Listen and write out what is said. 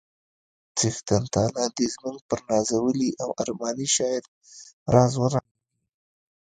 څښتن تعالی دې زموږ پر نازولي او ارماني شاعر راز ورحمیږي